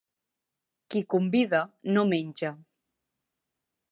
Qui convida, no menja.